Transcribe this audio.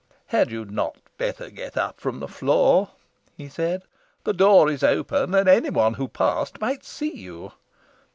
"Had you not better get up from the floor?" he said. "The door is open, and any one who passed might see you."